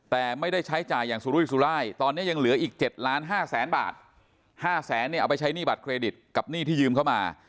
แต่ไม่ได้ใช้จ่ายอย่างสุรุยสุรายตอนนี้ยังเหลืออีก๗ล้าน๕แสนบาท๕แสนเนี่ยเอาไปใช้หนี้บัตรเครดิตกับหนี้ที่ยืมเข้ามา